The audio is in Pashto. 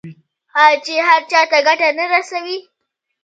آیا چې هر چا ته ګټه نه رسوي؟